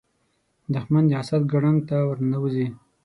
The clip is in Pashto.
دښمن د حسد ګړنګ ته ورننوځي